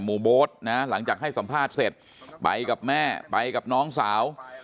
โบ๊ทนะหลังจากให้สัมภาษณ์เสร็จไปกับแม่ไปกับน้องสาว